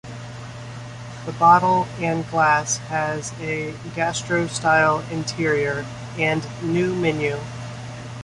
The Bottle and Glass has a gastro style interior and new menu.